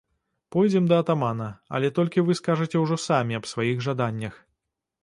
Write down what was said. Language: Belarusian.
Пойдзем да атамана, але толькі вы скажаце ўжо самі аб сваіх жаданнях.